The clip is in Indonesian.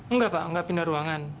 nggak pak nggak pindah ruangan